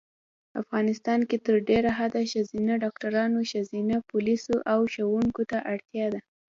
افغانیستان کې تر ډېره حده ښځېنه ډاکټرانو ښځېنه پولیسو او ښوونکو ته اړتیا ده